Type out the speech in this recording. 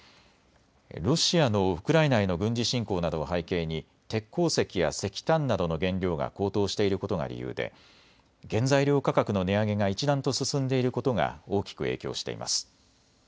ロシアのウクライナへの軍事侵攻などを背景に鉄鉱石や石炭などの原料が高騰していることが理由で原材料価格の値上げが一段と進んでいることが大きく影響しています。